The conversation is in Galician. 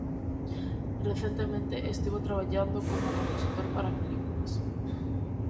Recentemente estivo traballando como compositor para películas.